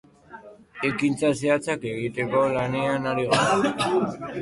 Ekintza zehatzak egiteko lanean ari gara.